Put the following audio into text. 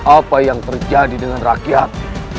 apa yang terjadi dengan rakyat